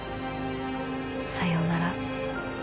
さようなら。